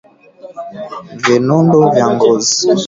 vinundu vya ngozi